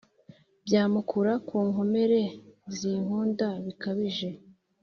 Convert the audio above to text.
Byamukura ku nkomere zinkunda bikabije.